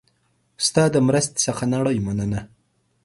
ستا د مرستې څخه نړۍ مننه